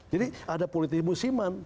jadi ada politisi musiman